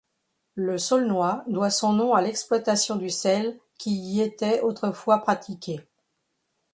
Le Saulnois doit son nom à l'exploitation du sel qui y était autrefois pratiquée.